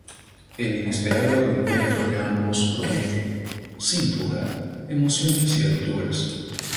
El inesperado reencuentro de ambos promete, sin duda, emociones y aventuras.